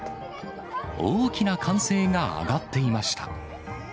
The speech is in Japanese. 大きな歓声が上がっていました。